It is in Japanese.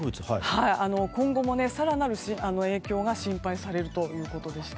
今後も更なる影響が心配されるということでした。